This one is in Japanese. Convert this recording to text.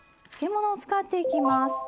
漬物を使っていきます。